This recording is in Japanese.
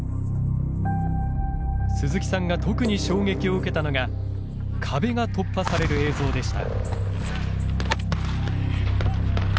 鈴木さんが特に衝撃を受けたのが壁が突破される映像でした。